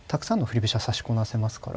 飛車指しこなせますから。